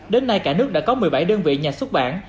đến nay cả nước đã có một mươi bảy đơn vị nhà xuất bản